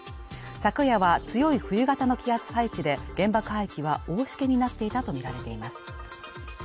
昨夜は強い冬型の気圧配置で現場海域は大しけになっていたとみられています